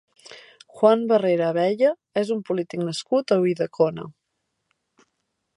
Juan Barrera Abella és un polític nascut a Ulldecona.